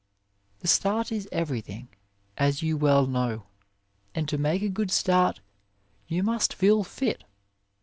The start is everything, as you well know, and to make a good start you must feel fit.